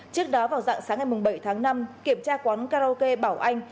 trước đó vào dạng sáng ngày bảy tháng năm kiểm tra quán karaoke bảo anh